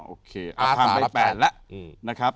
อ๋อโอเคเอาทางไปแปลละ